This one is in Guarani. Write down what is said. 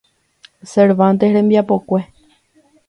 Cervantes rembiapokue.